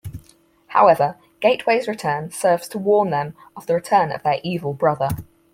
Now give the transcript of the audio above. However, Gateway's return serves to warn them of the return of their evil brother.